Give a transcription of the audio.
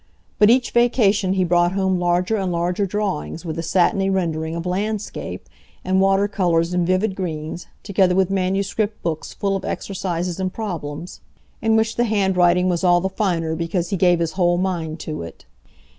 But each vacation he brought home larger and larger drawings with the satiny rendering of landscape, and water colours in vivid greens, together with manuscript books full of exercises and problems, in which the handwriting was all the finer because he gave his whole mind to it.